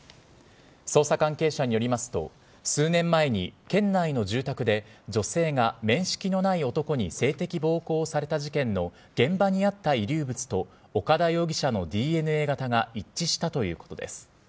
捜査関係者によりますと、数年前に県内の住宅で、女性が面識のない男に性的暴行をされた事件の現場にあった遺留物と岡田容疑者のＤＮＡ型が一致したということです。